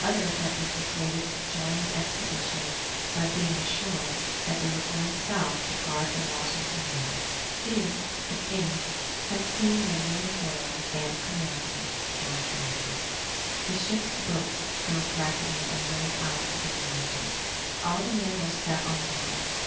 Others had been persuaded to join the expedition by being assured that they were going south to guard the Washington mail. Few, if any, had seen their new employer and commander, George Martin. The ship's boats filled rapidly and rowed out to the Leander. All the men were set on board.